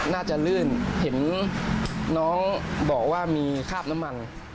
ลื่นเห็นน้องบอกว่ามีคราบน้ำมัน